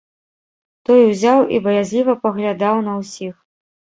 Той узяў і баязліва паглядаў на ўсіх.